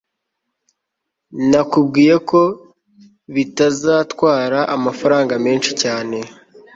Nakubwiye ko bitazatwara amafaranga menshi cyane